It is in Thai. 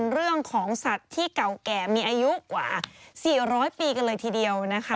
เรื่องของสัตว์ที่เก่าแก่มีอายุกว่า๔๐๐ปีกันเลยทีเดียวนะคะ